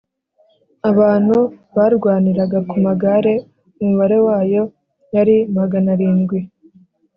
abantu barwaniraga ku magare umubare wayo yari magana arindwi